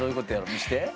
見して。